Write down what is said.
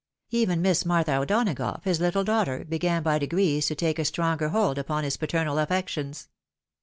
Even Miss Martha O'Donagough, his fittle daughter, began by degrees to take a stronger hold upon his paternal affections.